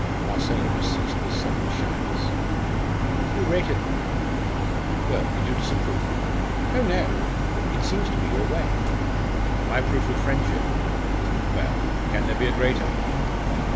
Marcella was seized with sudden shyness. "You rated them enough." "Well, did you disapprove?" "Oh, no! it seems to be your way." "My proof of friendship? Well, can there be a greater?